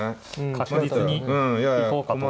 確実に行こうかと。